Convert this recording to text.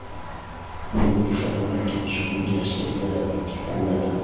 bunge lilifanya marekebisho mengine ya sheria ya benki kuu ya tanzania